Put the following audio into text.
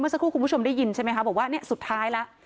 สักครู่คุณผู้ชมได้ยินใช่ไหมคะบอกว่าเนี่ยสุดท้ายแล้ว